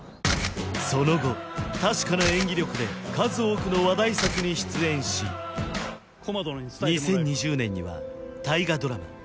その後確かな演技力で数多くの話題作に出演し２０２０年には大河ドラマ